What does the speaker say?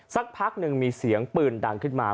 สักพักหนึ่งมีเสียงปืนดังขึ้นมา